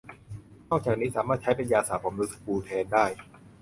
นอกจากนี้สามารถใช้เป็นยาสระผมหรือสบู่แทนได้